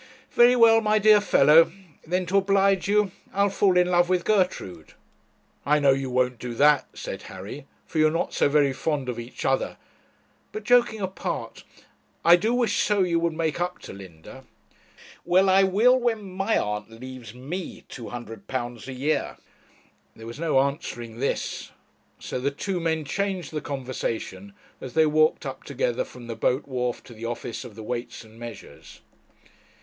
'Very well, my dear fellow; then to oblige you, I'll fall in love with Gertrude.' 'I know you won't do that,' said Harry, 'for you are not so very fond of each other; but, joking apart, I do wish so you would make up to Linda.' 'Well, I will when my aunt leaves me £200 a year.' There was no answering this; so the two men changed the conversation as they walked up together from the boat wharf to the office of the Weights and Measures.